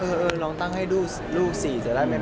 เออลองตั้งให้ลูก๔จะได้ไหม